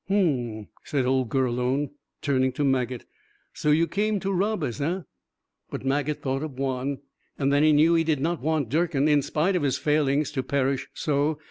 "H'm," said old Gurlone, turning to Maget. "So you came to rob us, eh?" But Maget thought of Juan, and then he knew he did not want Durkin, in spite of his failings, to perish so.